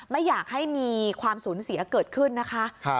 ไม่อยากให้มีความสูญเสียเกิดขึ้นนะคะ